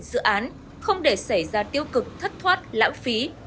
dự án không để xảy ra tiêu cực thất thoát lãng phí